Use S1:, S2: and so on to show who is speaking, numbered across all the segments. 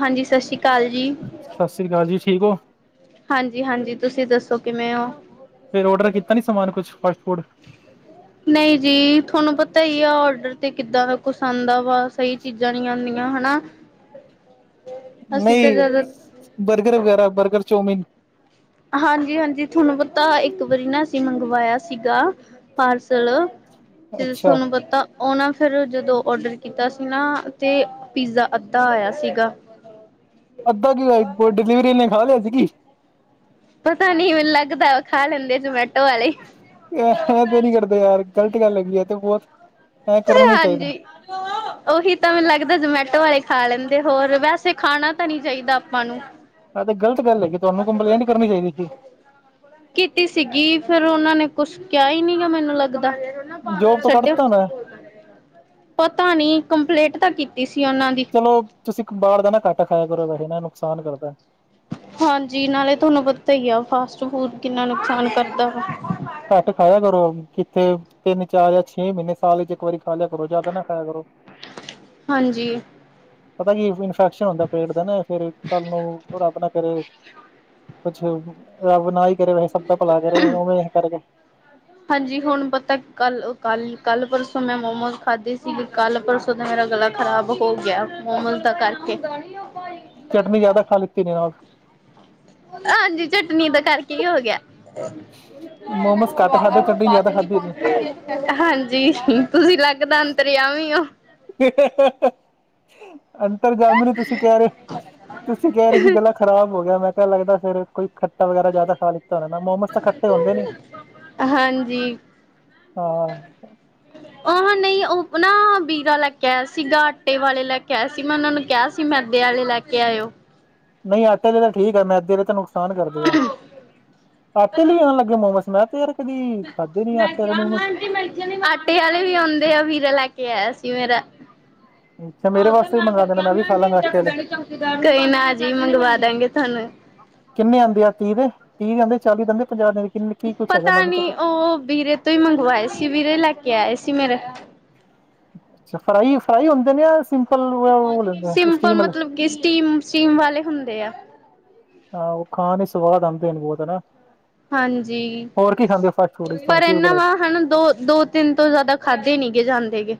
S1: ਹਾਂਜੀ, ਸੀ ਕਾਲ ਜੀ।
S2: ਸਸ਼੍ਰੀ ਕਾਲ ਜੀ ਠੀਕ ਓ?
S1: ਹਾਂਜੀ, ਹਾਂਜੀ ਤੁਸੀਂ ਦੱਸੋ ਕਿਮੇਂ ਓ।
S2: ਫਿਰ ਓੜਰ ਕੀਤਾ ਨੀ ਸਮਾਨ ਕੁਛ ਫਾਸਟ ਫੂੜ?
S1: ਨਈ ਜੀ, ਥੋਨੂੰ ਪਤਾ ਈ ਆ ਓਰਡਰ ਤੇ ਕਿੱਦਾਂ ਦਾ ਕੁਸ ਆਂਦਾ ਵਾ ਸਈ ਚੀਜ਼ਾਂ ਨੀ ਔਦੀਆਂ ਹਨਾ
S2: ਨ,
S1: ਅਸੀਂ ਤਾਂ
S2: ਈ
S1: ਜਦੋਂ
S2: ਬਰਗਰ ਵਗੈਰਾ ਬਰਗਰ ਚੋਮੀਨ।
S1: ਹਾਂਜੀ, ਹਾਂਜੀ, ਥੋਨੂੰ ਪਤਾ ਇੱਕ ਵਾਰੀ ਨਾ ਅਸੀਂ ਮੰਗਵਾਏਆ ਸੀਗਾ ਪਾਰਸਲ਼, ਜਿਵੇ
S2: ਅੱਛਾ
S1: ਸੋਨੂੰ ਪੱਤਾ ਓ ਨਾ ਫੇਰ ਜਦੋ ਓਡਰ ਕੀਤਾ ਸੀ ਨਾ, ਤੇ ਪੀਜ਼ਾ ਅੱਦਾ ਆਏਆ ਸੀਗਾ।
S2: ਅੱਦਾ ਕੀ ਆਈ ਵੋ ਡਿਲੀਵਰੀ ਨੇੇ ਖਾ ਲੇਆ ਸੀਕੀ?
S1: ਪਤਾ ਨੀ ਮੈਂਨੂੰ ਲੱਗਦਾ, ਖਾ ਲੈਂਦੇ ਜ਼ਮੈਟੋ [unintelligible]
S2: ਯਾਰ, ਹਾਂ ਤੇ ਨੀ ਕਰਦੇ ਯਾਰ ਗ਼ਲਤ ਗੱਲ ਹੈਗੀ ਐ ਐ ਤੇ ਬੋਤ। ਐ ਕਰਨਾ ਨੀ ਚਾਈਦਾ।
S1: ਓਹੀ ਤਾਂ ਮੈਨੂੰ ਲੱਗਦਾ ਜ਼ਮੈਟੋ ਆਲੇ਼ ਖਾ ਲੈਂਦੇ ਹੋਰ, ਵੈਸੇ ਖਾਣਾ ਤਾਂ ਨੀ ਚਾਈਦਾ ਆਪਾਂ ਨੂੰ?
S2: ਐ ਤੇ ਗਲਤ ਗੱਲ ਹੈਗੀ, ਤੁਆਂਨੂੰ ਕੰਪਲੇਂਟ ਕਰਨੀ ਚਾਈਦੀ ਸੀ।
S1: ਕੀਤੀ ਸੀਗੀ, ਫੇਰ ਓਨਾਂ ਨੇ ਕੋਸ਼ ਕੇਆ ਈ ਨੀ ਮੈਨੂੰ ਲੱਗਦਾ।
S2: ਜੋਬ ਤੋਂ
S1: ਛੱਡਿਓ
S2: ਕੱਡਤਾ ਨੇ?
S1: ਪਤਾ ਨੀ ਕੰਪਲੇਟ ਤਾ ਕੀਤੀ ਸੀ ਓਨਾਂ ਦੀ।
S2: ਚਲੋ, ਤੁਸੀ ਇੱਕ ਬਾਰ ਦਾ ਨਾ ਘਾੱਟ ਖਾਏਆ ਕਰੋ, ਵੈਸੇ ਨਾ ਨੁਕਸਾਨ ਕਰਦੈ।
S1: ਹਾਂਜੀ, ਨਾਲੇ਼ ਥੋਨੂੰ ਪਤਾ ਈ ਆ ਫਾਸਟ ਫੂਡ ਕਿੰਨਾ ਨੁਕਸਾਨ ਕਰਦਾ ਵਾ।
S2: ਘੱਟ ਖਾਏਆ ਕਰੋ ਕਿੱਥੇ ਤਿੰਨ ਚਾਰ ਯਾ ਛੇ ਮ੍ਹੀਨੇ ਸਾਲ ਵਚ ਏਕ ਵਾਰੀ ਖਾ ਲੇਆ ਕਰੋ ਜੇ਼ਆਦਾ ਨਾ ਖਾਏਆ ਕਰੋ।
S1: ਹਾਂਜੀ।
S2: ਪਤਾ ਕੀ ਏ ਇਨਫੈਕਸ਼ਨ ਹੁੰਦਾ ਪੇਟ ਦਾ ਨਾ, ਫੇਰ ਕੱਲ ਨੂੰ ਰੱਬ ਨਾ ਕਰੇ ਕੁਛ ਅ ਰੱਬ ਨਾ ਈ ਕਰੇ, ਵੈਸੇ ਸਭ ਦਾ ਭਲਾ ਕਰੇ ਓਵੇਂ ਕਰਕੇ
S1: ਹਾਂਜੀ, ਹੁਣ ਪਤਾ ਕੱਲ, ਕੱਲ, ਕੱਲ ਪਰਸੋਂ ਮੈਂ ਮੋਮੋਸ ਖਾਦੇ ਸੀਗੇ ਕੱਲ ਪਰਸੋਂ ਪਰਸੋਂ ਦਾ ਮੇਰਾ ਗਲਾ਼ ਖਰਾਬ ਹੋ ਗੇਆ, ਮੋਮੋਸ ਦਾ ਕਾਰਕੇ।
S2: ਚਟਨੀ ਜੇਆਦਾ ਖਾ ਲਿੱਤੀ ਨੇ [unintelligible]
S1: ਹਾਂਜੀ, ਚਟਨੀ ਦਾ ਕਰਕੇ ਈ ਹੋ ਗੇਆ।
S2: ਮੋਮੋਸ ਘੱਟ ਖਾਧੇ ਚਟਨੀ ਜ਼ਿਆਦਾ ਖਾਧੀ ਨੇ
S1: [unintelligible] ਤੁਸੀ ਲੱਗਦਾ ਅੰਤਰ ਯਾਮੀ ਓ।
S2: ਅੰਤਰ ਜਾਮੀ ਤੁਸੀਂ ਕੈ ਰੈ, ਤੁਸੀਂ ਕੈ ਰਏ ਸੀ ਗਲਾ ਖਰਾਬ ਹੋ ਗੇਆ, ਮੈਂ ਕੇਆ ਲੱਗਦਾ ਫੇਰ ਓ ਕੋਈ ਖੱਟਾ ਵਗੈਰਾ ਜੇਆਦਾ ਖਾ ਲਿੱਤਾ ਹੋਣਾ ਨਾ, ਮੋਮੋਸ ਤਾਂ ਖੱਟੇ ਹੁੰਦੇ ਨੀ।
S1: ਹਾਂਜੀ।
S2: ਹਾਂ। [unintelligible]
S1: ਓ ਨਈ ਓ ਨਾ ਬੀਰਾ ਲੈ ਕੇ ਆਏਆ ਸੀਗਾ, ਆਟੇ ਵਾਲੇ਼ ਲੈ ਕੇ ਆਏਆ ਸੀ ਮੈਂ ਓਨਾਂ ਨੂੰ ਕੇਆ ਸੀ ਮੈਦੇ ਆਲੇ਼ ਲੈ ਕੇ ਲੈਆਏਓ।
S2: ਨਈ, ਆਟੇ ਆਲੇ ਤਾਂ ਠੀਕ ਆ, ਮੈਦੇ ਆਲੇ ਤਾਂ ਨੁਕਸਾਨ ਕਰਦੇ ਆ, ਆਟੇ ਆਲੇ ਵੀ ਆਨ ਲੱਗੇ ਮੋਮੋਸ? ਮੈਂ ਤੇ ਯਾਰ ਕਦੀ, ਖਾਦੇ ਨੀ ਆਟੇ ਆਲੇ ਮੋਮੋਸ।
S1: [unintelligible] ਆਟੇ ਆਲੇ਼ ਵੀ ਆਂਓਦੇ ਆ ਵੀਰਾ ਲੈ ਕੇ ਆਏਆ ਸੀ ਮੇਰਾ।
S2: ਅੱਛਾ ਮੇਰੇ ਵਾਸਤੇ ਵੀ ਮੰਗਵਾ ਦੇਣਾ ਮੈਂ ਵੀ ਖਾ ਲਾਂਗਾ ਆਟੇ ਆਲੇ
S1: ਕੋਈ ਨਾ ਜੀ ਮੰਗਵਾ ਦਾੰਗੇ ਥੂਆਂਨੂੰ।
S2: ਕਿੰਨੇ ਆਂਦੇ ਆ ਤੀ ਦੇ, ਤੀ ਦੇ ਆਂਦੇ, ਚਾਲੀ ਦੇ ਆਂਦੇ, ਪੰਜਾਹ ਦੇ ਕਿੰਨੇ ਕੀ ਕੁੱਛ ਹੈਗਾ
S1: ਪਤਾ
S2: ਮੈਨੂੰ
S1: ਨੀ
S2: ਤਾਂ
S1: ਓ, ਬੀਰੇ ਤੋਂ ਈ ਮੰਗਵਾਏ ਸੀ ਵੀਰੇ ਲੈ ਕੇ ਆਏ ਸੀ ਮੇਰੇ।
S2: ਅੱਛਾ ਫਰਾਈ, ਫਰਾਈ ਹੋਂਦੇ ਨੇ ਯਾ
S1: ਸਿੰਪਲ ਮਤਲਬ ਕਿ ਸਿ੍ਟੀਮ, ਸੑਟਿਮ ਵਾਲੇ ਹੁੰਦੇ ਆ।
S2: ਹਾਂ, ਓ ਖਾਨ ਨੂ ਸਵਾਦ ਆਂਦੇ ਹੋਨ ਬੋਤ ਹਨਾ।
S1: ਹਾਂਜੀ,
S2: ਹੋਰ ਕੀ ਖਾਂਦੇ ਹੋ ਫਾਸਟ ਫੂਡ ਵਿੱਚ
S1: ਪਰ
S2: ਤੁਹਾਨੂੰ ਕੀ ਵਧੀਆ
S1: ਐਂਨਾਂ ਵਾ
S2: ਲੱਗਦਾ
S1: ਹਨਾ ਦੋ ਦੋ, ਤਿੰਨ ਤੋਂ ਜੇ ਜੇ਼ਦਾ ਖਾਦੇ ਨੀ ਗੇ ਜਾਂਦੇ ਗੇ।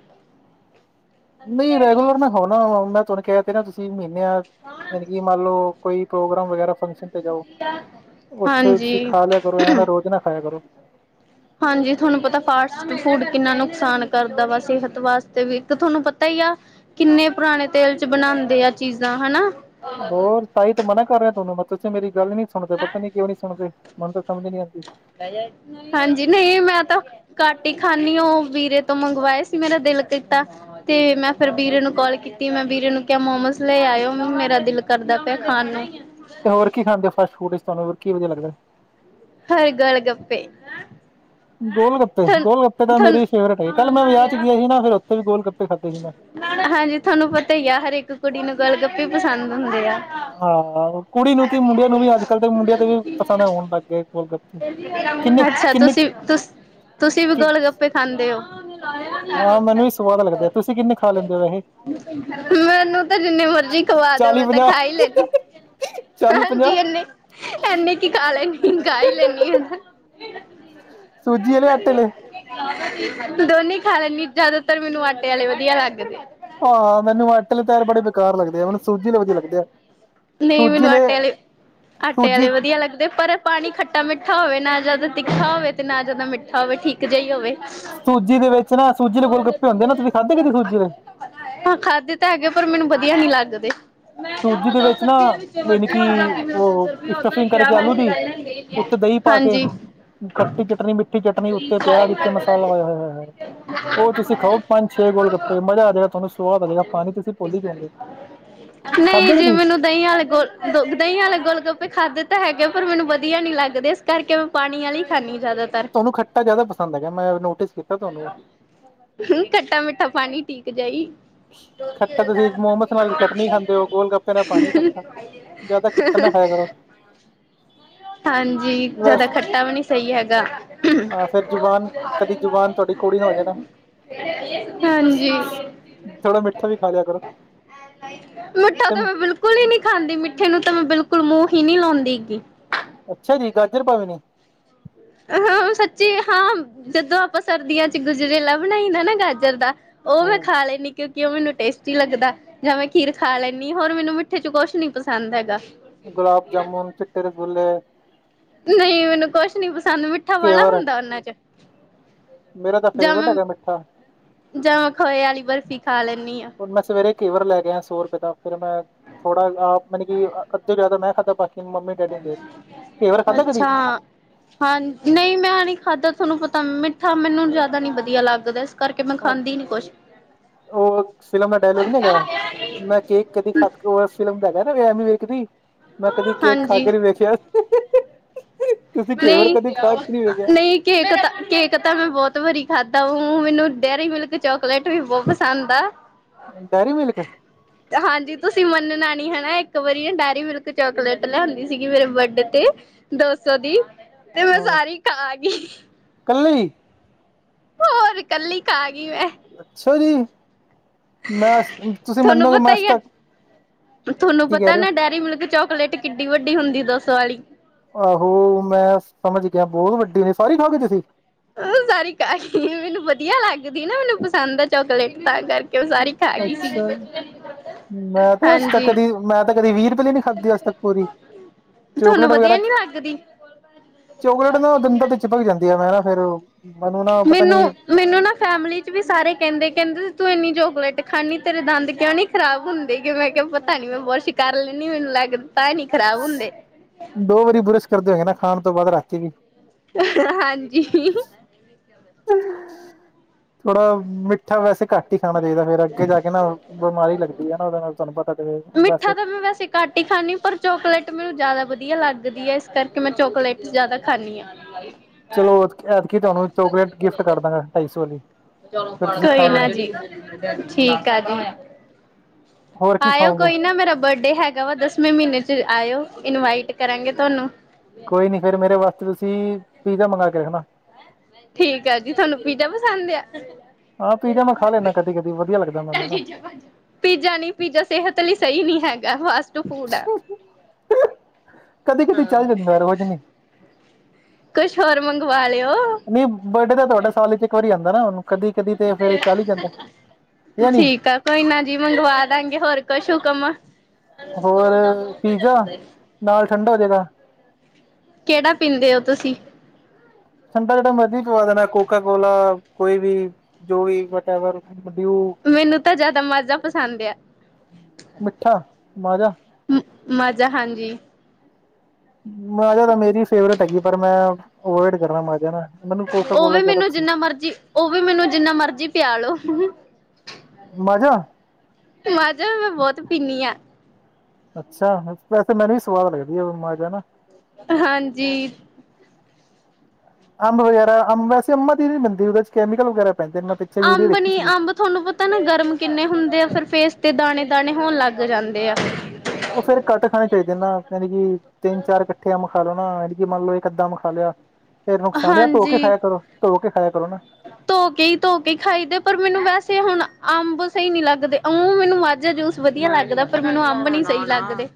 S2: ਨਈ ਰੈਗੂਲਰ ਮੈਂ ਹੋਨਾ ਵਾ ਮੈਂ ਤੁਆਨੂੰ ਕੈ ਤਾ ਰੇਆ ਤੁਸੀਂ [unintelligible] ਜਾਣੀ ਕਿ ਮੰਨ ਲੋ ਕੋਈ ਪ੍ਰੋਗਰਾਮ ਵਗੈਰਾ ਫੰਕਸ਼ਨ ਤੇ ਜਾਓ, ਓਥੇ
S1: ਹਾਂਜੀ
S2: ਤੁਸੀਂ ਖਾ ਲੇਆ ਕਰੋ ਐ ਨਾ ਰੋਜ਼ ਨਾ ਖਾਏਆ ਕਰੋ।
S1: ਹਾਂਜੀ, ਥੁਆਨੂੰ ਪਤਾ ਫਾਸਟ ਫੂ ਕਿੰਨਾ ਨੁਕਸਾਨ ਕਰਦਾ ਵਾ ਸੇਹਤ ਵਾਸਤੇ ਵੀ, ਤੇ ਤੁਹਾਨੂੰ ਪਤਾ ਈ ਆ ਕਿੰਨੇ ਪੁਰਾਣੇ ਤੇਲ ਚ ਬਨਾਂਦੇ ਆ ਚੀਜ਼ਾਂ ਹਨਾ।
S2: ਹੋਰ, ਤਾਈ ਤੇ ਮਨਾ ਕਰ ਰੇਆ ਤੋਨੂੰ ਪਰ ਮੇਰੀ ਗੱਲ ਨੀ ਸੁਣਦੇ ਪਤਾ ਨੀ ਕੇ ਨੀ ਸੁਣਦੇ। ਮੇਨ ਤਾਂ ਸਮਜ ਨੀ ਆਂਦੀ।
S1: ਹਾਂਜੀ, ਨਹੀਂ ਮੈਂ ਤਾਂ ਘੱਟ ਈ ਖਾਨੀ ਆ ਓ, ਵੀਰੇ ਤੋਂ ਮੰਗਵਾਏ ਸੀ ਮੇਰਾ ਦਿਲ ਕੀਤਾ ਤੇ ਮੈਂ ਫੇਰ ਬੀਰੇ ਨੂੰ ਕੋਲ ਕੀਤੀ, ਮੈਂ ਬੀਰੇ ਨੂੰ ਕੇਆ ਮੋਮੋਸ ਲੈ ਆਏਓ ਮੇਰਾ ਦਿਲ ਕਰਦਾ ਪੇਆ ਖਾਣ ਨੂੰ।
S2: ਤੇ ਹੋਰ ਕੀ ਖਾਂਦੇ ਫਾਸਟ ਫੂੜ ਚ ਤੁਆਨੂੰ ਓਰ ਕੀ ਵਦੀਆ ਲੱਗਦੈ?
S1: ਹੋਰ ਗੋਲ਼ ਗੱਪੇ।
S2: ਗੋਲ- ਗੱਪੇ,
S1: ਥੋਨੂੰ
S2: ਗੋਲ -ਗੱਪੇ ਤਾਂ ਮੇਰੀ
S1: ਥੋਨੂੰ
S2: ਫੇਵਰਟ ਏ, ਕੱਲ੍ਹ ਮੈਂ ਵੇਆ ਚ ਗੇਆ ਹੀ ਨਾ ਫੇਰ ਓਥੇ ਵੀ ਗੋਲ -ਗੱਪੇ ਖਾਦੇ ਸੀ ਮੈਂ।
S1: ਹਾਂਜੀ, ਥੋਂਨੂੰ ਪਤਾ ਈ ਆ ਹਰੇਕ ਕੁੜੀ ਨੂੰ ਗੋਲ- ਗੱਪੇ ਈ ਪਸੰਦ ਹੁੰਦੇ ਆ।
S2: ਹਾਂ, ਕੁੜੀ ਨੂੰ ਕਿ ਮੁੰਡੇਆਂ ਨੂੰ ਵੀ ਅੱਜ-ਕੱਲ ਤੇ ਮੁੰਡੇਆਂ ਤੇ ਵੀ, ਪਸੰਦ ਓਣ ਲੱਗ ਗ ਗੋਲ-ਗ
S1: ਅੱਛਾ ਤੁਸੀਂ, ਤੁਸ, ਤੂਸੀ ਵੀ ਗੋਲ਼, ਗੱਪੇ ਖਾਂਦੇ ਓ?
S2: ਆ ਮੈਨੂੰ ਵੀ ਸਵਾਦ ਲੱਗਦੈ, ਤੁਸੀਂ ਕਿੰਨੇ ਖਾ ਲੈਂਦੇ ਹੋ ਵੈਸੇ?
S1: ਮੈਨੂੰ ਤੇ ਜਿੰਨੇ ਮਰਜੀ ਖਵਾ ਦੋ
S2: ਚਾਲੀ
S1: ਮੈਂ ਤਾਂ
S2: ਪੰਜਾਹ
S1: ਖਾ ਈ ਲੈਨੀ
S2: ਚਾਲੀ ਪੰਜਾਹ
S1: ਹਾਂਜੀ, ਐਨੇ, ਐਨੇ ਕੀ ਖਾ ਲੈਨੀ, ਗਾ ਹੀ ਲੈਨੀ ਉ ਤਾ।
S2: ਸੂਜੀ ਵਾਲੇ ਆਟੇ ਆਲੇ
S1: [inaudible] ਦੋਨੇ ਈ ਖਾ ਲੈਂਦੀ, ਜੇਆਦਾਤਰ ਮੈਨੂੰ ਆਟੇ ਆਲੇ ਵਦੀਆ ਲੱਗਦੇ।
S2: ਆ ਮੈਨੂੰ ਆਟੇ ਆਲੇ ਤੈਰ ਬੜੇ ਬੇਕਾਰ ਲਗਦੇ ਆ, ਮੈਨੂੰ ਸੂਜੀ ਵਾਲ ਵਦੀਆ ਲੱਗਦੇ ਆ।
S1: ਨਈ
S2: ਸੂਜੀ
S1: ਮੈਨੂੰ
S2: ਆਲੇ
S1: ਆਟੇ ਆਲੇ਼, ਆਟੇ
S2: ਸੂਜੀ
S1: ਆਲੇ਼ ਵਦੀਆ ਲੱਗਦੇ ਪਰ ਪਾਣੀ ਖੱਟਾ-ਮਿੱਠਾ ਹੋਵੇ, ਨਾ ਜਾਦਾ ਤਿੱਖਾ ਹੋਵੇ ਤੇ ਨਾ ਜਾਦਾ ਮਿੱਠਾ ਹੋਵੇ ਠੀਕ ਇੱਕ ਜਈ ਹੋਵੇ
S2: ਸੂਜੀ ਦੇ ਵਿੱਚ ਨਾ ਸੂਜੀ ਦੇ ਗਲੱਪੇ ਹੁੰਦੇ ਨਾ। ਤੁਸੀਂ ਖਾਧੇ ਕਦੀ ਸੂਜੀ ਦੇ?
S1: ਹਾਂ ਖਾਧੇ ਤਾਂ ਹੈਗੇ। ਪਰ, ਮੈਨੂੰ ਵਧੀਆ ਨੀ ਲੱਗਦੇ।
S2: ਸੂਜੀ ਦੇ ਵਿੱਚ ਨਾ ਯਾਣੀ ਕੀ ਉਹ ਸਟਫਿੰਗ ਕਰਕੇ ਆਲੂ ਦੀ ਉੱਤੇ ਦਈਂ ਪਾ ਕੇ
S1: ਹਾਂਜੀ।
S2: ਖੱਟੀ ਚਟਨੀ, ਮਿੱਠੀ ਚਟਨੀ ਉੱਤੇ ਪਿਆਜ, ਉੱਤੇ ਮਸਾਲਾ ਵਗੇਰਾ, ਵਗੇਰਾ। ਉਹ ਤੁਸੀਂ ਖਾਓ ਪੰਜ ਛੇ ਗੋਲ ਗੱਪੇ ਮਜ਼ਾ ਆ ਜਾਏ ਗਾ। ਤੁਹਾਨੂੰ ਸਵਾਦ ਆ ਜਾਏਗਾ। ਪਾਨੀ ਤੁਸੀਂ ਭੁੱਲ ਹੀ ਜੋਗੇ।
S1: ਨਹੀਂ ਜੀ ਮੈਨੂੰ ਦਹੀਂ ਵਾਲੇ ਗੋਲ, ਦਹੀਂ ਵਾਲੇ ਗੋਲਗੱਪੇ ਖਾਧੇ ਤਾਂ ਹੈਗੇ ਪਰ ਮੈਨੂੰ ਵਧੀਆ ਨੀ ਲੱਗਦੇ। ਕਰਕੇ ਮੈਂ ਪਾਣੀ ਆਲੇ ਹੀ ਖਾਨੀ ਜ਼ਿਆਦਾ।
S2: ਤੁਹਾਨੂੰ ਖੱਟਾ ਜ਼ਿਆਦਾ ਪਸੰਦ ਹੈਗਾ, ਮੈਂ ਨੋਟਿਸ ਕੀਤਾ ਤੁਹਾਨੂੰ
S1: ਖੱਟਾ, ਮਿੱਠਾ ਪਾਣੀ ਠੀਕ ਜਿਆ ਈ।
S2: ਖੱਟਾ ਤੁਸੀਂ ਮੋਮਸ ਨਾਲ ਚਟਨੀ ਖਾਂਦੇ ਹੋ ਗੋਲ ਗੱਪੇ ਨਾਲ ਪਾਣੀ ਖੱਟਾ। ਜ਼ਿਆਦਾ ਖੱਟਾ ਨਾ ਖਾਇਆ ਕਰੋ।
S1: ਹਾਂਜੀ ਜ਼ਿਆਦਾ
S2: ਬਸ
S1: ਖੱਟਾ ਵੀ ਨੀ ਸਹੀ ਹੈਗਾ
S2: ਹਾਂ, ਫਿਰ ਜ਼ੁਬਾਨ ਕਦੀ ਜ਼ੁਬਾਨ ਤੁ ਕਦੀ ਕੋੜੀ ਨਾ ਹੋਜੇ ਨਾ।
S1: ਹਾਂਜੀ।
S2: ਥੋੜਾ ਮਿੱਠਾ ਵੀ ਖਾ ਲਿਆ ਕਰੋ
S1: ਮਿੱਠਾ ਤਾਂ
S2: ਤੇ
S1: ਮੈਂ ਬਿਲਕੁਲ ਬਿਲਕੁਲ ਹੀ ਨਹੀਂ ਖਾਂਦੀ ਮਿੱਠੇ ਨੂੰ ਤਾਂ ਮੈਂ ਬਿਲਕੁਲ ਮੂੰਹ ਹੀ ਨਹੀਂ ਲਾਉਂਦੀਗੀ।
S2: ਅੱਛਾ ਜੀ। ਗਾਜਰ ਪਾਵੇ
S1: ਹ ਸੱਚੀ ਹਾਂ ਜਦੋਂ ਆਪਾਂ ਸਰਦੀਆਂ ਚ ਗੁਜਰੇਲਾ ਬਣਾਈਦਾ ਨਾ ਗਾਜਰ ਦਾ ਉਹ ਮੈਂ
S2: ਹੂੰ
S1: ਖਾ ਲੈਂਨੀ। ਕਿਉਂਕਿ, ਉਹ ਮੈਨੂੰ ਟੇਸਟੀ ਲੱਗਦਾ ਜਾਂ। ਮੈਂ ਖੀਰ ਖਾ ਲੈਂਨੀ। ਹੋਰ ਮੈਨੂੰ ਮਿੱਠੇ ਚ ਕੁਛ ਨੀ ਪਸੰਦ ਹੈਗਾ।
S2: ਗੁਲਾਬ ਜਾਮੁਨ, ਚਿੱਟੇ ਰਸਗੁੱਲੇ
S1: ਨਹੀਂ ਮੈਨੂੰ ਕੁਛ ਨੀ ਪਸੰਦ ਮਿੱਠਾ ਵਾਲਾ
S2: ਕੇਵਰ
S1: ਹੁੰਦਾ ਉਹਨਾਂ ਚ
S2: ਮੇਰਾ ਤਾਂ
S1: ਜਾਂ
S2: ਫੇਵਰੇਟ
S1: ਮੈਂ
S2: ਹੈਗਾ ਮਿੱਠਾ।
S1: ਜਾਂ ਮੈਂ ਖੋਏ ਵਾਲੀ ਬਰਫ਼ੀ ਖਾ ਲੈਂਨੀ ਆ।
S2: ਹੁਣ ਮੈਂ ਸਵੇਰੇ ਘੇਵਰ ਲੈ ਗਿਆ। ਸੌ ਰੁਪਏ ਦਾ ਫਿਰ ਮੈਂ ਥੋੜਾ ਆਪ ਮੈਨ ਕਿ ਅੱਧੇ ਜ਼ਿਆਦਾ ਮੈਂ ਖਾਦਾ ਪਾ ਮੰਮੀ-ਡੈਡੀ ਦੇ ਤਾ, ਘੇਵਰ ਖਾਧਾ ਕਦੀ?
S1: ਅੱਛਾ। ਹਾਂ ਨਹੀਂ ਮੈਂ ਨੀ ਖਾਧਾ ਤੁਹਾਨੂੰ ਪਤਾ ਮਿੱਠਾ ਮੈਨੂੰ ਜ਼ਿਆਦਾ ਨੀ ਵਧੀਆ ਲੱਗਦਾ ਕਰਕੇ ਮੈਂ ਖਾਂਦੀ ਨੀ ਕੁਛ।
S2: ਉਹ ਫਿਲਮ ਦਾ ਡਾਇਲੋਗ ਨੀ ਹੈਗਾ। ਮੈਂ ਕੇਕ ਕਦੀ ਖਾ ਕੇ ਉਹ ਫਿਲਮ ਦਾ ਕ ਨਾ ਐਮੀ ਵੀਰਕ ਦੀ ਮੈਂ ਕਦੀ ਕੇਕ ਖਾ
S1: ਹਾਂਜੀ।
S2: ਕੇ ਨੀ ਵੇਖਿਆ। ਤੁਸੀਂ ਘੇਵਰ
S1: ਨਹੀਂ
S2: ਕਦੇ ਖਾ ਕੇ ਨਹੀਂ ਵੇਖਿਆ।
S1: ਕੇਕ ਤਾਂ ਕੇਕ ਤਾਂ ਮੈਂ ਬਹੁਤ ਵਾਰੀ ਖਾਧਾ ਵਾ। ਮੈਨੂੰ ਡੇਅਰੀ ਮਿਲਕ ਚਾਕਲੇਟ ਵੀ ਬਹੁਤ ਪਸੰਦ ਆ।
S2: Dairy Milk?
S1: ਹਾਂਜੀ, ਤੁਸੀਂ ਮੰਨਣਾ ਨੀ ਹਨਾ। ਇੱਕ ਵਾਰੀ ਨਾ ਡੈਅਰੀ ਮਿਲਕ ਚਾਕਲੇਟ ਲਿਆਉਂਦੀ ਸੀਗੀ ਮੇਰੇ ਬਰਡੇ ਤੇ ਦੋ ਸੌ ਦੀ ਤੇ ਮੈਂ ਸਾਰੀ ਖਾ ਗਈ।
S2: ਕੱਲੀ?
S1: ਹੋਰ ਕੱਲੀ ਖਾ ਗਈ ਮੈਂ।
S2: ਅੱਛਾ ਜੀ! ਮੈਂ ਤੁਸੀਂ
S1: ਥੋਨੂੰ
S2: ਮੰਨੋਗੇ ਮੈਂ
S1: ਪਤਾ
S2: ਅੱਜ
S1: ਹੀ ਆ।
S2: ਤੱਕ
S1: ਤੁਹਾਨੂੰ
S2: ਕੀ ਕਹਿ
S1: ਪਤਾ
S2: ਰਹੇ
S1: ਨਾ ਡੈਅਰੀ ਮਿਲਕ ਚੋਕਲੇਟ ਕਿੱਡੀ ਵੱਡੀ ਹੁੰਦੀ ਦਸ ਵਾਲੀ।
S2: ਆਹੋ ਮੈਂ ਸਮਝ ਗਿਆ। ਬਹੁਤ ਵੱਡੀ ਨੇ ਸਾਰੀ ਖਾਗੇ ਤੁਸੀਂ?
S1: ਉਹ ਸਾਰੀ ਮੈਨੂੰ ਵਧੀਆ ਲੱਗਦੀ ਨਾ। ਮੈਨੂੰ ਪਸੰਦ ਆ ਚੋਕਲੇਟ ਤਾਂ ਕਰਕੇ ਕੇ ਉਹ ਸਾਰੀ ਖਾ ਗਈ ਸੀ।
S2: ਅੱਛਾ ਮੈਂ ਤਾਂ ਅੱਜ ਤੱਕ
S1: ਹਾਂਜੀ
S2: ਕਦੀ ਮੈਂ ਤਾਂ ਕਦੀ ਵੀਹ ਰੁਪਏ ਲਈ ਨੀ ਖਾਧੀ। ਅੱਜ ਤੱਕ ਪੂਰੀ
S1: ਤੁਹਾਨੂੰ
S2: ਚੋਕਲੇਟ ਵਗੈਰਾ
S1: ਵਧੀਆ ਨੀ ਲੱਗਦੀ?
S2: ਚੋਕਲੇਟ ਨਾ ਦੰਦਾਂ ਚ ਭਰੀ ਜਾਂਦੀ ਆ। ਮੈਂ ਨਾ ਫੇਰ ਮੈਨੂੰ ਨਾ ਪਤਾ
S1: ਮੈਨੂੰ
S2: ਨੀ
S1: ਮੈਨੂੰ ਨਾ ਫੈਮਲੀ ਚ ਵੀ ਸਾਰੇ ਕਹਿੰਦੇ, ਕਹਿੰਦੇ। ਤੂੰ ਇੰਨੀ ਚੋਕਲੇਟ ਖਾਨੀ ਤੇਰੇ ਦੰਦ ਕਿਉਂ ਨੀ ਖਰਾਬ ਹੁੰਦੇ? ਮੈਂ ਕਿਹਾ ਪਤਾ ਤਾਂ ਨੀ ਮੈਂ ਬੁਰਸ਼ ਕਰ ਲੈਂਨੀ ਆ। ਮੈਨੂੰ ਲੱਗ ਤਾਂ ਨੀ ਖਰਾਬ ਹੁੰਦੇ।
S2: ਦੋ ਵਾਰੀ ਬੁਰਸ਼ ਕਰਦੇ ਹੋਏ ਨਾ ਖਾਣ ਤੋਂ ਬਾਅਦ ਰਾਤੀ ਵੀ।
S1: ਹਾਂਜੀ। [unintelligible]
S2: ਥੋੜਾ ਮਿੱਠਾ ਵੈਸੇ ਘੱਟ ਹੀ ਖਾਣਾ ਚਾਹੀਦਾ ਫੇਰ ਅੱਗੇ ਜਾ ਕੇ ਨਾ ਬਿਮਾਰੀ ਲੱਗਦੀ ਹੈ। ਨਾ ਉਹਦੇ ਨਾਲ ਤੁਹਾਨੂੰ ਪਤਾ
S1: ਮਿੱਠਾ
S2: ਵੈਸੇ
S1: ਤਾਂ ਮੈਂ ਵੈਸੇ ਘੱਟ ਹੀ ਖਾਂਦੀ ਪਰ ਚੋਕਲੇਟ ਮੈਨੂੰ ਜ਼ਿਆਦਾ ਵਧੀਆ ਲੱਗਦੀ ਹੈ। ਇਸ ਕਰਕੇ ਮੈਂ ਚੋਕਲੇਟ ਜ਼ਿਆਦਾ ਖਾਂਨੀ ਆ। ਹ। [unintelligible]
S2: ਚਲੋ ਐਤਕੀ ਤੁਹਾਨੂੰ ਚੋਕਲੇਟ ਗਿਫਟ ਕਰ ਦਾਂਗਾ। ਢਾਈ ਸੌ ਆਲੀ
S1: ਕੋਈ ਨਾ ਜੀ, ਠੀਕ ਆ ਜੀ।
S2: ਹੋਰ ਕੀ
S1: ਆਇਓ
S2: ਖਾਉਗੇ?
S1: ਕੋਈ ਨਾ ਮੇਰਾ ਬਰਡੇ ਹੈਗਾ ਵਾ। ਦਸਵੇਂ ਮਹੀਨੇ ਚ ਆਇਓ ਇਨਵਾਈਟ ਕਰਾਂਗੇ ਤੁਹਾਨੂੰ
S2: ਕੋਈ ਨੀ ਫੇਰ ਮੇਰੇ ਵਾਸਤੇ ਤੁਸੀਂ ਪੀਜ਼ਾ ਮੰਗਵਾ ਕੇ ਰੱਖਣਾ।
S1: ਠੀਕ ਆ। ਜੀ ਤੁਹਾਨੂੰ ਪੀਜ਼ਾ ਪਸੰਦ ਆ?
S2: ਹਾਂ ਪੀਜ਼ਾ ਮੈਂ ਖਾ ਲੈਂਦਾ ਕਦੀ, ਕਦੀ ਵਧੀਆ ਲੱਗਦਾ ਮੈਨੂੰ ਨਾ।
S1: ਪੀਜ਼ਾ ਨੀ ਪੀਜ਼ਾ ਸਿਹਤ ਲਈ ਸਹੀ ਨੀ ਹੈਗਾ ਫਾਸਟਫੂਡ ਐ।
S2: ਕਦੇ ਕਦੀ ਚੱਲ ਜਾਂਦਾ ਵਾ ਰੋਝ ਨੀ।
S1: ਕੁਛ ਹੋਰ ਮੰਗਵਾ ਲਿਓ।
S2: ਨਹੀਂ ਬਰਥਡੇ ਤਾਂ ਤੁਹਾਡਾ ਸਾਲ 'ਚ ਇੱਕ ਵਾਰੀ ਆਦਾ ਨਾ ਉਹਨੂੰ
S1: [inaudible]
S2: ਇਹ ਨਹੀਂ
S1: ਠੀਕ ਆ। ਕੋਈ ਨਾ ਜੀ। ਮੰਗਵਾ ਦਾਂਗੇ। ਹੋਰ ਕੁਛ ਹੁਕਮ। ਸਾਨੂੰ
S2: ਹੋਰ
S1: ਗਾਉਣ ਦਾ ਬਹੁਤ ਮਜ਼ਾ
S2: ਪੀਜ਼ਾ
S1: ਆਉਂਦਾ ਏ।
S2: ਨਾਲ ਠੰਡਾ ਹੋਜੇ ਗਾ।
S1: ਕਿਹੜਾ ਪੀਂਦੇ ਓ ਤੁਸੀਂ?
S2: ਠੰਡਾ ਜਿਹੜਾ ਮਰਜੀ ਪਲਾ ਦੇਣਾ, ਕੋਕਾ ਕੋਲਾ ਕੋਈ ਵੀ। ਜੋਈ ਵਟੇਵਰ, ਡੀਊ।
S1: ਮੈਨੂੰ ਤਾਂ ਜ਼ਿਆਦਾ ਮਾਜ਼ਾ ਪਸੰਦ ਇਆ।
S2: ਮਿੱਠਾ ਮਾਜਾ
S1: ਮਜ਼ਾ ਹਾਂਜੀ।
S2: ਮਾਜ਼ਾ ਤਾਂ ਮੇਰੀ ਫੇਵਰੇਟ ਹੈਗੀ, ਪਰ ਮੈਂ ਅਵੋਇਡ ਕਰਨਾ ਮਾਜਾ ਨਾ। ਮੈਨੂੰ ਕੋਕਾ
S1: ਉਹ
S2: ਕੋਲਾ
S1: ਵੀ
S2: ਜ਼ਿਆਦਾ
S1: ਮੈਨੂੰ
S2: ਪਸੰਦ
S1: ਜਿੰਨਾ ਮਰਜੀ, ਉਹ ਵੀ ਮੈਨੂੰ ਜਿੰਨਾ ਮਰਜੀ ਪਿਆ ਲੋੋ।
S2: ਮਾਜ਼ਾ?
S1: ਮਾਜਾ਼ ਮੈਂ ਬਹੁਤ ਪੀਂਨੀ ਹਾਂ।
S2: ਅੱਛਾ ਵੈਸੇ ਮੈਨੂੰ ਵੀ ਸਵਾਦ ਲੱਗਦੀ ਐ। ਮਾਜਾ਼ ਨਾ।
S1: ਹਾਂਜੀ।
S2: ਅੰਬ ਵਗੈਰਾ ਅੰਬ ਵੈਸ ਅੰਮਾਂ ਦੀ ਨਹੀਂ ਬਦੀਦੇ ਉਹਦੇ ਚ ਕੈਮੀਕਲ ਵਗੈਰਾ ਪੈਂਦੇ ਨੇ। ਵੀਡੀਓ
S1: ਅੰਬ
S2: ਵੇਖੀ
S1: ਨੀ
S2: ਸੀ
S1: ਅੰਬ ਤੁਹਾਨੂੰ ਪਤਾ ਨਾ ਗਰਮ ਕਿੰਨੇ ਹੁੰਦੇ ਆ। ਫਿਰ ਫੇਸ ਤੇ ਦਾਣੇ-ਦਾਣੇ ਹੋਣ ਲੱਗ ਜਾਂਦੇ ਆ।
S2: ਉਹ ਫੇਰ ਘੱਟ ਖਾਣੇ ਚਾਹੀਦੇ ਨਾ। ਜਾਣੀ ਕਿ ਤਿੰਨ ਚਾਰ ਇਕੱਠੇ ਅੰਬ ਖਾ ਲੋ ਨਾ। ਐ ਨੀ ਕੇ ਮੰਨ ਲਓ ਇੱਕ-ਅੱਧਾ ਅੰਬ ਖਾ ਲਿਆ। ਫ ਨੁਕਸਾਨ ਹੀ ਆ। ਥੋੜ੍ਹਾ ਖਾਇਆ ਕਰੋ। ਥੋੜ੍ਹਾ ਖਾਇਆ ਕਰੋ ਨਾ।
S1: ਧੋਕੇ ਈ ਧੋਕੇ ਖਾਈਦੇ। ਪਰ ਮੈਨੂੰ ਵੈਸੇ ਹੁਣ ਅੰਬ ਸਹੀ ਨੀ ਲੱਗਦੇ। ਊ ਮੈਨੂੰ ਮਾਜਾ ਜੂਸ ਵਧੀਆ ਲੱਗਦਾ। ਪਰ ਮੈਨੂੰ ਅੰਬ ਨੀ ਸਹੀ ਲੱਗਦੇ।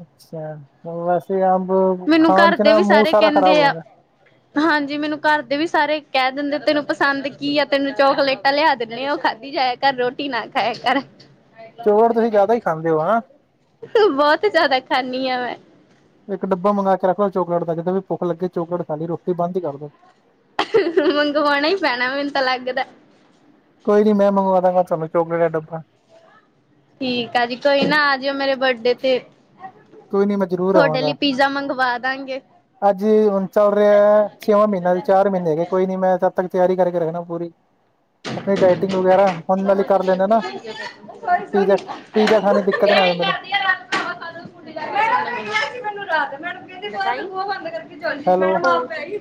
S2: ਅੱਛਾ ਵੈਸੇ। ਅੰਬ
S1: ਮੈਨੂੰ
S2: ਖਾਣ
S1: ਘਰ
S2: ਚ
S1: ਦੇ
S2: ਨਾ।
S1: ਵੀ
S2: ਮੂੰਹ
S1: ਸਾਰੇ
S2: ਸਾਰਾ ਖ਼ਰਾਬ
S1: ਕਹਿੰਦੇ ਆ
S2: ਲਗਦਾ।
S1: ਹਾਂਜੀ। ਮੈਨੂੰ ਘਰ ਦੇ ਵੀ ਸਾਰੇ ਕਹਿ ਦਿੰਦੇ। ਤੈਨੂੰ ਪਸੰਦ ਕੀ ਆ? ਤੈਨੂੰ ਚੋਕਲੇਟ। ਤਾਂ ਲਿਆ ਦਿੰਦੇ। ਉਹ ਖਾਧੀ ਜਾਏਆ ਘਰ ਰੋਟੀ। ਟੀ ਨਾ ਖਾਏਆ ਕਰ।
S2: ਚੋਕਲੇਟ ਤੁਸੀਂ ਜ਼ਿਆਦਾ ਹੀ ਖਾਂਦੇ ਹੋ ਹਨਾ
S1: ਬਹੁਤ ਜਿਆਦਾ ਖਾਂਨੀ ਆ ਮੈਂ।
S2: ਇੱਕ ਡੱਬਾ ਮੰਗਵਾ ਕੇ ਰੱਖ ਲਓ ਚੋਕਲੇਟ ਦਾ। ਜਦੋਂ ਵੀ ਭੁੱਖ ਲੱਗੇ ਚੋਕਲੇਟ ਖਾ ਲਈ। ਰੋਟੀ ਬੰਦ ਹੀ ਕਰ ਦੋ।
S1: ਮੰਗਵਾਉਣਾ ਹੀ ਪੈਣਾ। ਮੈਨੂੰ ਤਾਂ ਲੱਗਦਾ।
S2: ਕੋਈ ਨੀ। ਮੈ ਮੰਗਵਾ ਦਵਾਂਗਾ ਚੋਕਲੇਟ ਦਾ ਡੱਬਾ।
S1: ਠੀਕ ਆ ਜੀ। ਕੋਈ ਨਾ ਆ ਜਿਓ ਮੇਰੇ ਬਰਡੇ ਤੇ।
S2: ਕੋਈ ਨੀ ਮੈਂ ਜ਼ਰੂਰ
S1: ਤੁਹਾਡੇ ਲਈ
S2: ਆਵਾਂਗਾ
S1: ਪੀਜ਼ਾ ਮੰਗਵਾ ਦਾਂਗੇ।
S2: ਅੱਜ ਹੁਣ ਚੱਲ ਰਿਹਾ ਛੇਵਾਂ ਮਹੀਨਾ । ਚਾਰ ਮਹੀਨੇ ਹੋ ਗਏ। ਕੋਈ ਨੀ। ਮੈਂ ਉਦੇ ਤੱਕ ਤਿਆਰੀ ਕਰਕੇ ਰੱਖਣਾ ਪੂਰੀ। ਆਪਣੀ ਡਾਇਟਿੰਗ ਵਗੈਰਾ। ਹੁਣ ਨਾਲ ਹੀ ਕਰ ਲੈਂਦੇ ਆ ਨਾ। ਪੀਜ਼ਾ ਪੀਜ਼ਾ ਖਾਣ ਦੀ ਦਿੱਕਤ ਨਾ ਆ ਜਾਵੇ ਮੈਨੂੰ।
S1: ਬੰਦ ਕਰਕੇ ਚੱਲ ਮੈ
S2: ਹੈਲੋ
S1: । ਕਿ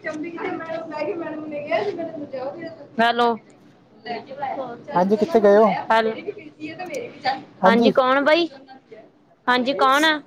S1: ਕਿਹਾ।
S2: ਹਾਂਜੀ ਕਿੱਥੇ ਗਏ ਹੋ
S1: ਹਾਂ ਜੀ
S2: ਹਾਂਜੀ
S1: ਕੌਣ ਭਾਈ। ਹਾਂ ਜੀ। ਕੌਣ ਆ।